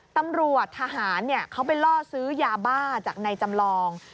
ตำรวจทหารเขาไปล่อซื้อยาบ้าจากในจำลอง